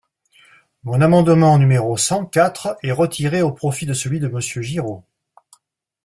Mon amendement numéro cent quatre est retiré au profit de celui de Monsieur Giraud.